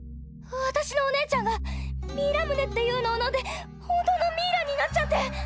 私のお姉ちゃんがミイラムネっていうのを飲んで本当のミイラになっちゃって！